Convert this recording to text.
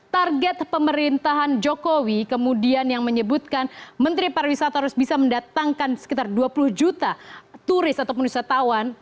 target pemerintahan jokowi kemudian yang menyebutkan menteri pariwisata harus bisa mendatangkan sekitar dua puluh juta turis ataupun wisatawan